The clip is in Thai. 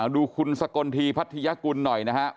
ดูคุณสกลทีพัทยากุลหน่อยนะครับ